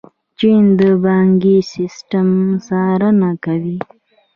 چین د بانکي سیسټم څارنه کوي.